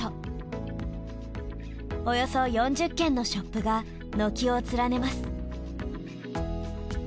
およそ４０軒のショップが軒を連ねます。